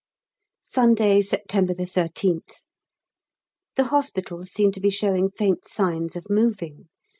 Sunday, September 13th. The hospitals seem to be showing faint signs of moving.